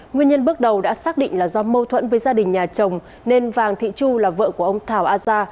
nguyên nhân bước đầu đã xác định là do mâu thuẫn với gia đình nhà chồng nên vàng thị chu là vợ của ông thảo aza